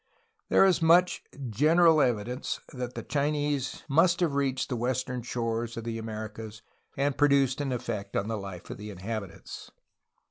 There is much general evidence that Chinese must have reached the western shores of the Americas and produced an effect on the life of the inhabitants.